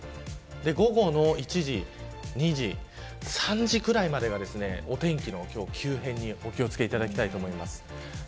午後の１時２時、３時くらいまではお天気の急変にお気を付けいただきたいと思います。